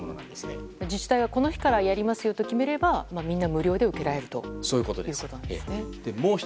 自治体はこの日からやりますよと決めればみんな受けられるということですね。